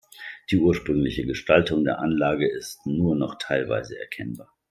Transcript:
Die ursprüngliche Gestaltung der Anlage ist nur noch teilweise erkennbar.